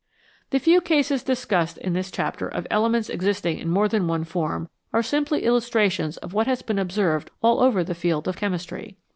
The few cases discussed in this chapter of elements existing in more than one form are simply illustrations of what has been observed all over the field of chemistry.